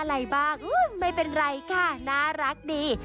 อะไรบ้างไม่เป็นไรค่ะน่ารักดี